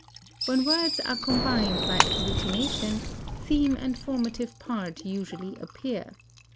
When words are combined by agglutination, theme and formative part usually appear.